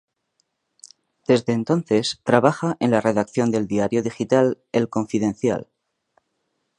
Desde entonces trabaja en la redacción del diario digital "El Confidencial".